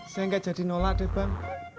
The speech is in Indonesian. saya nggak jadi nolak deh bang